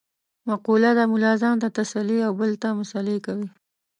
مقوله ده : ملا ځان ته تسلې او بل ته مسعلې کوي.